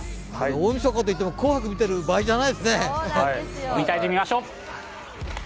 大みそかといっても、「紅白」を見ている場合じゃないですね。